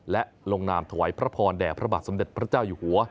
และลงนามถวายพระพรแด่พระบาทสมเด็จพระเจ้าอยู่หัว